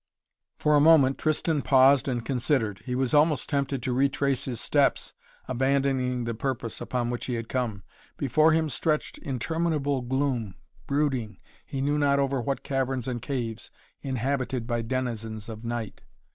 For a moment Tristan paused and considered. He was almost tempted to retrace his steps, abandoning the purpose upon which he had come. Before him stretched interminable gloom, brooding, he knew not over what caverns and caves, inhabited by denizens of night.